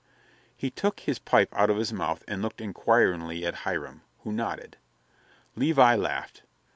He took his pipe out of his mouth and looked inquiringly at Hiram, who nodded. Levi laughed.